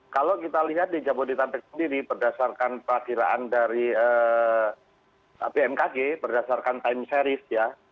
kalau kita lihat di jabodetabek sendiri berdasarkan perakiraan dari bmkg berdasarkan time series ya